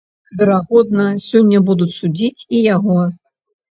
Верагодна, сёння будуць судзіць і яго.